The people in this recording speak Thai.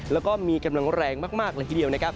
แล้วก็มีกำลังแรงมากเลยทีเดียวนะครับ